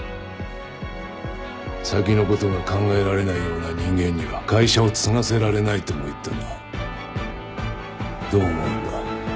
先のことが考えられないような人間には会社を継がせられないとも言ったがどう思うんだ？